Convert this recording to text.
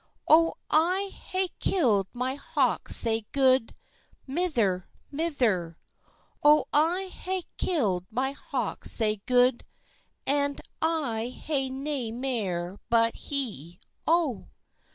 "O I hae killed my hawk sae gude, Mither, mither; O I hae killed my hawk sae gude, And I hae nae mair but he, O."